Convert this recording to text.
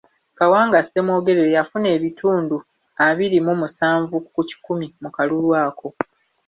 Kawanga Semwogerere yafuna ebitundu abiri mu musanvu ku kikumi mu kalulu ako.